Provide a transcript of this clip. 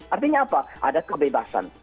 artinya apa ada kebebasan